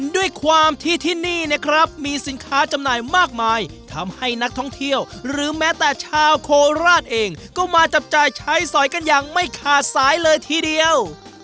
ด้วยความที่ที่นี่นะครับมีสินค้าจำหน่ายมากมายทำให้นักท่องเที่ยวหรือแม้แต่ชาวโคราชเองก็มาจับจ่ายใช้สอยกันอย่างไม่ขาดสายเลยทีเดียว